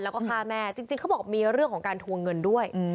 แล้วก็ฆ่าแม่จริงเขาบอกมีเรื่องของการทวงเงินด้วย